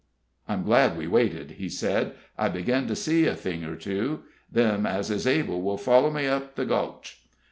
"I'm glad we waited," he said. "I begin to see a thing or two. Them as is able will follow me up the Gulch."